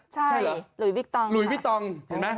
ใช่หรือหลวยวิตองค่ะ